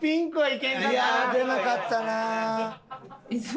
いや出なかったな。